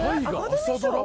朝ドラ。